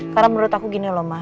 karena menurut aku gini loh ma